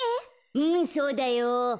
うんそうだよ。